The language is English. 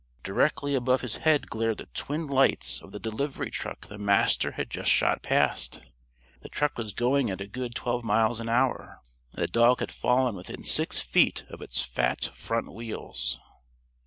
Directly above his head glared the twin lights of the delivery truck the Master had just shot past. The truck was going at a good twelve miles an hour. And the dog had fallen within six feet of its fat front wheels.